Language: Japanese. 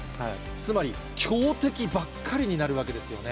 つまり強敵ばっかりになるわけですよね。